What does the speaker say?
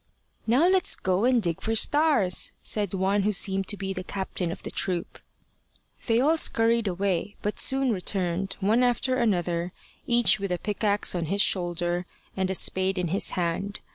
"Now let's go and dig for stars," said one who seemed to be the captain of the troop. They all scurried away, but soon returned, one after another, each with a pickaxe on his shoulder and a spade in his hand.